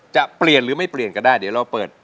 จะเปลี่ยนหรือไม่เปลี่ยนก็ได้เดี๋ยวเราเปิด